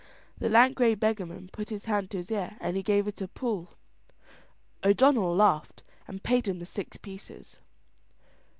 The lank grey beggarman put his hand to his ear, and he gave it a pull. O'Donnell laughed and paid him the six pieces.